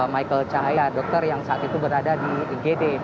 michael cahaya dokter yang saat itu berada di igd